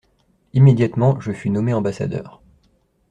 Immédiatement je fus nommé ambassadeur.